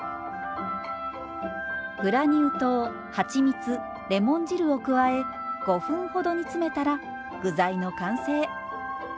グラニュー糖はちみつレモン汁を加え５分ほど煮詰めたら具材の完成。